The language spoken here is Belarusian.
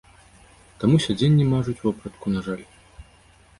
Таму сядзенні мажуць, вопратку, на жаль.